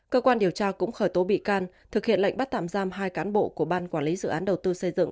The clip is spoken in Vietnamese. cơ quan điều tra cũng khởi tố bị can thực hiện lệnh bắt tạm giam hai cán bộ của ban quản lý dự án đầu tư xây dựng